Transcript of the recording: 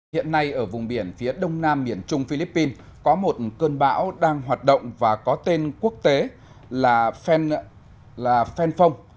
hiện nay ở vùng biển phía đông nam miền trung philippines có một cơn bão đang hoạt động và có tên quốc tế là phenphon